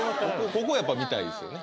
ここやっぱ見たいですよね